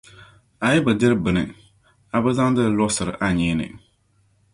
A yi bi diri bini a bi zaŋdi li luɣisiri a nyee ni.